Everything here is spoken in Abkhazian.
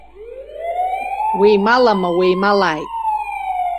Уеималама, уеималааит!